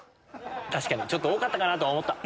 ちょっと多かったかなとは思った。